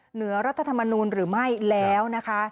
เหนือรัฐธรรมนุนหรือไม่แล้ว